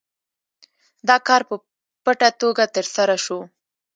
دا کار په پټه توګه ترسره شو.